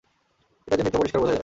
এটা যে মিথ্যা পরিষ্কার বোঝাই যায়!